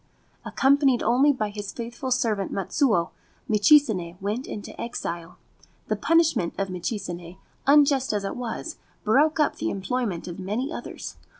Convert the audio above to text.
Accompanied only by his faithful servant Matsuo, Michizane went into exile. The punishment of Michizane, unjust as it was, broke up the employment of many others.